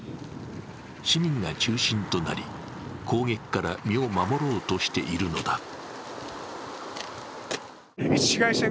市民が中心となり、攻撃から身を守ろうとしているのだ。